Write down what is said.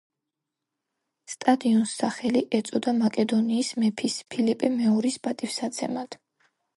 სტადიონს სახელი ეწოდა მაკედონიის მეფის, ფილიპე მეორის პატივსაცემად.